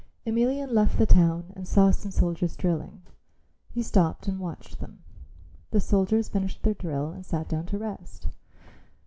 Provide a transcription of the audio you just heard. Emelian left the town and saw some soldiers drilling. He stopped and watched them. The soldiers finished their drill and sat down to rest.